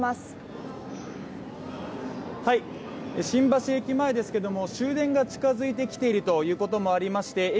新橋駅前ですけども終電が近づいてきているということもありまして